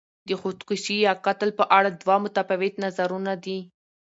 د خودکشي یا قتل په اړه دوه متفاوت نظرونه دي.